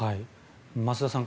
増田さん